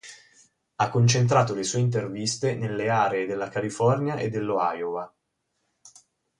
Ha concentrato le sue interviste nelle aree della California e dello Iowa.